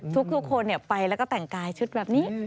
ทุกคนไปแล้วก็แต่งกายชุดแบบนี้